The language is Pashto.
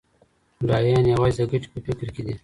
بډایان یوازې د ګټې په فکر کي دي.